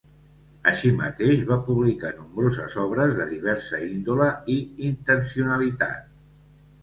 Així mateix, va publicar nombroses obres de diversa índole i intencionalitat.